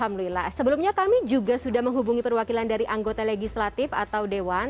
alhamdulillah sebelumnya kami juga sudah menghubungi perwakilan dari anggota legislatif atau dewan